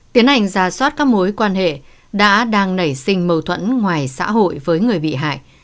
tiến hành ra soát các mối quan hệ đã đang nảy sinh mâu thuẫn ngoài xã hội với người bị hại